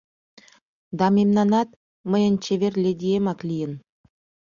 Да мемнанат «Мыйын чевер ледиемак» лийын.